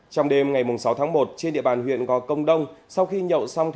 trong đêm ngày sáu tháng một trên địa bàn huyện gò công đông sau khi nhậu xong